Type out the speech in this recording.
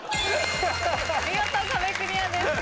見事壁クリアです。